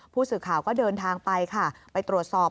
ผู้สื่อข่าวก็เดินทางไปค่ะไปตรวจสอบ